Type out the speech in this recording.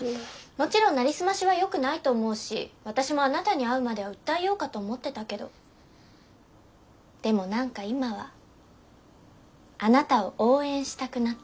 もちろんなりすましはよくないと思うし私もあなたに会うまでは訴えようかと思ってたけどでも何か今はあなたを応援したくなった。